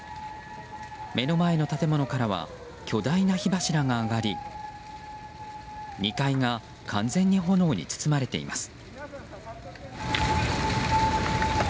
目の前の建物からは巨大な火柱が上がり２階が完全に炎に包まれています。